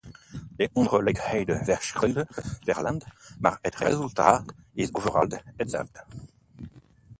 De ongelijkheid verschilt per land, maar het resultaat is overal hetzelfde.